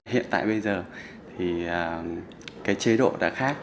hiện tại bây giờ thì cái chế độ đã khác